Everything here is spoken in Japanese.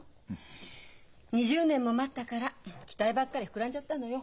２０年も待ったから期待ばっかり膨らんじゃったのよ。